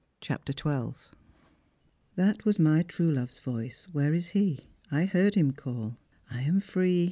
CHAPTER XIL •• That was my true love's voice. Where is he ? I heard him call. I am free